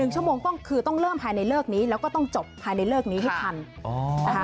๑ชกต้องเริ่มภายในเลิกนี้แล้วก็ต้องจบภายในเลิกนี้ให้ทัน